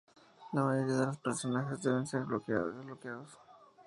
La mayoría de los personajes deben ser desbloqueados.